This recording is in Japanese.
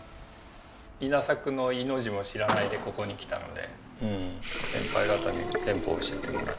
稲作の「い」の字も知らないでここに来たので先輩方に全部教えてもらって。